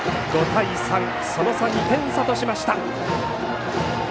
５対３、その差は２点差としました。